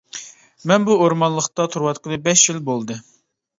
مەن بۇ ئورمانلىقتا تۇرۇۋاتقىلى بەش يىل بولدى.